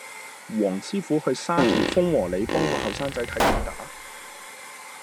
黃師傅去沙田豐禾里幫個後生仔睇跌打